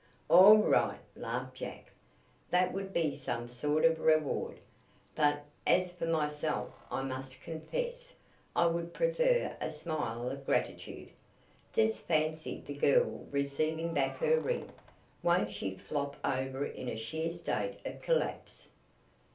"All right," laughed Jack. "That would be some sort of reward. But, as for myself, I must confess I would prefer a smile of gratitude. Just fancy the girl receiving back her ring! Won't she flop over in a sheer state of collapse!"